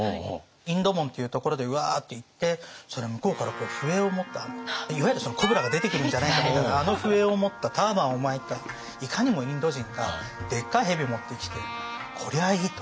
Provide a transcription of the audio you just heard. インド門っていうところでうわっと行ってそれで向こうから笛を持ったいわゆるそのコブラが出てくるんじゃないかというようなあの笛を持ったターバンを巻いたいかにもインド人がでっかい蛇を持ってきてこりゃあいいと。